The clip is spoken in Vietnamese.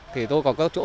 thì tôi có chỗ